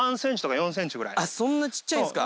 そんな小っちゃいんすか。